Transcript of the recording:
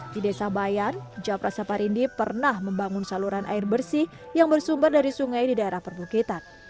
di desa bayan japra saparindi pernah membangun saluran air bersih yang bersumber dari sungai di daerah perbukitan